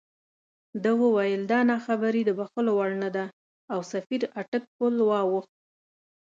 ده وویل دا ناخبري د بښلو وړ نه ده او سفیر اټک پُل واوښت.